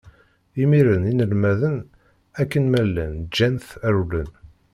Imiren inelmaden, akken ma llan, ǧǧan-t, rewlen.